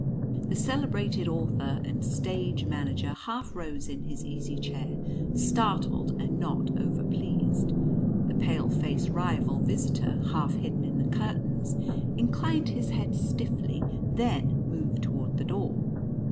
The celebrated author and stage manager half rose in his easy chair, startled, and not over pleased. The pale faced rival visitor, half hidden in the curtains, inclined his head stiffly, then moved towards the door.